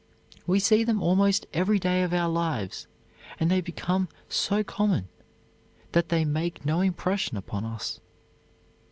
We see them almost every day of our lives and they become so common that they make no impression upon us.